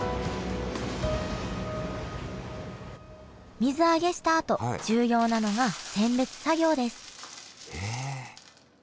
水揚げしたあと重要なのが選別作業ですへえ！